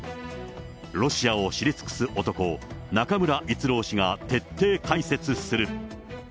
ロシアを知り尽くす男、中村逸郎氏が徹底解説する。